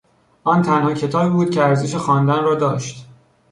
آن تنها کتابی بود که ارزش خواندن را داشت.